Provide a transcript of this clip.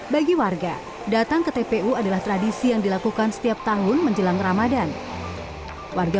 bagi warga datang ke tpu adalah tradisi yang dilakukan setiap tahun menjelang ramadhan warga